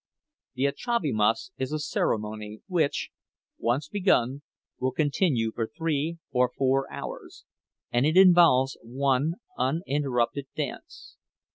The acziavimas is a ceremony which, once begun, will continue for three or four hours, and it involves one uninterrupted dance.